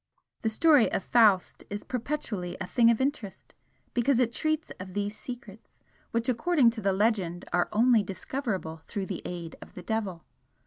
The story of Faust is perpetually a thing of interest, because it treats of these secrets, which according to the legend are only discoverable through the aid of the devil.